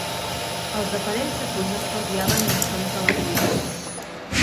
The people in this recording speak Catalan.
Els aparells de cuina estalviaven més temps a la cuina.